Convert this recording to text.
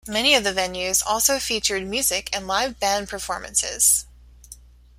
Many of the venues also feature music and live band performances.